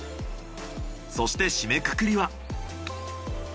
そして締めくくりは。